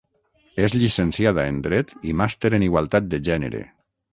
És llicenciada en dret i màster en igualtat de gènere.